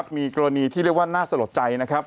มีกรณีที่เรียกว่าน่าสะลดใจนะครับ